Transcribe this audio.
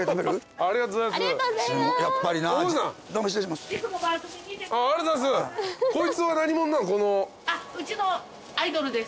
ありがとうございます。